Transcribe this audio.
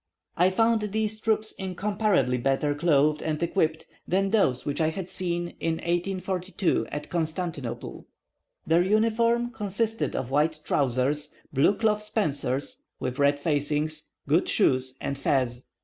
I found these troops incomparably better clothed and equipped than those which I had seen, in 1842, at Constantinople. Their uniform consisted of white trousers, blue cloth spencers, with red facings, good shoes, and fez.